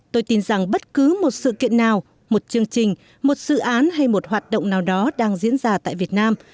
tôi tin rằng bất cứ một sự kiện nào một chương trình một dự án hay một hoạt động nào đó đang diễn ra tại việt nam